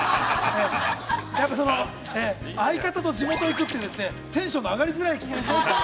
やっぱり相方と地元に行くってテンションの上がりづらい企画が。